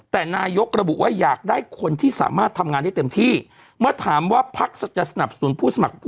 แต่นายกระบุว่าอยากได้คนที่สามารถทำงานได้เต็มที่เมื่อถามว่าพักจะสนับสนุนผู้สมัครผู้